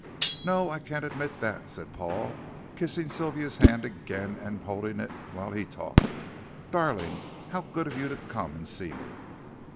"No, I can't admit that," said Paul, kissing Sylvia's hand again and holding it while he talked. "Darling, how good of you to come and see me."